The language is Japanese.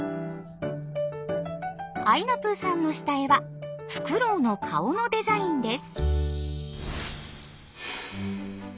あいなぷぅさんの下絵はフクロウの顔のデザインです。